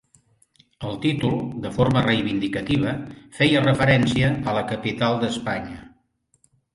El títol, de forma reivindicativa, feia referència a la capital d'Espanya.